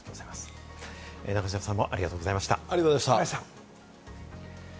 中島さんもありがとうございました。